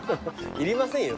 いりませんよ